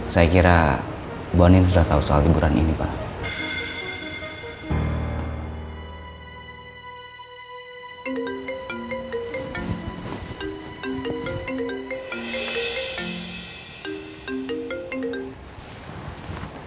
saya kira bu andien sudah tahu soal liburan ini pak